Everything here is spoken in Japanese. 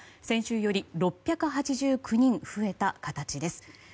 先週より６８９人増えた形です。